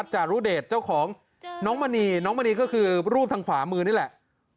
เห็นไหมเห็นมณีหรือเปล่า